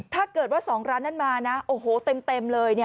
ถ้าเกิดว่า๒ร้านนั้นมานะโอ้โหเต็มเลย